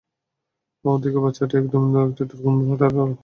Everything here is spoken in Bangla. ওদিকে বাচ্চাটি একটি দুর্গম পাহাড়ে আরোহণ করে তিনবার ডাক দেয়।